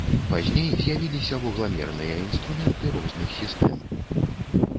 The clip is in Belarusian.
Пазней з'явіліся вугламерныя інструменты розных сістэм.